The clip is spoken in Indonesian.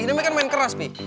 ini kan main keras nih